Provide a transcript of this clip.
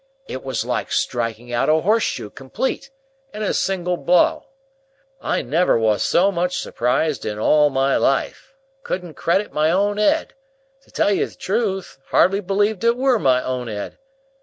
It was like striking out a horseshoe complete, in a single blow. I never was so much surprised in all my life,—couldn't credit my own ed,—to tell you the truth, hardly believed it were my own ed.